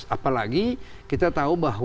apalagi kita tahu bahwa